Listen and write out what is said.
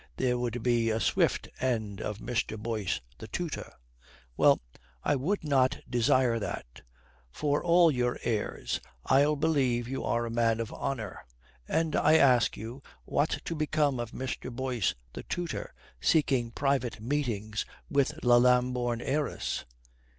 There would be a swift end of Mr. Boyce the tutor. Well, I would not desire that. For all your airs, I'll believe you a man of honour. And I ask you what's to become of Mr. Boyce the tutor seeking private meetings with the Lambourne heiress?